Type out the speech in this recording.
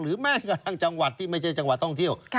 แม้กระทั่งจังหวัดที่ไม่ใช่จังหวัดท่องเที่ยว